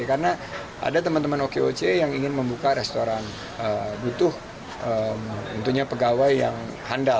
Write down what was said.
karena ada teman teman okoc yang ingin membuka restoran butuh tentunya pegawai yang handal